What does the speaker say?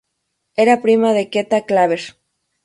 Era prima de Queta Claver.